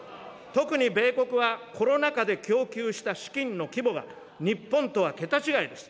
特に米国は、コロナ禍で供給した資金の規模が日本とは桁違いです。